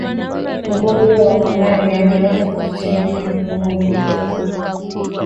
mgonjwa wa malaria anaweza kutetemeka na kuumwa mwili mzima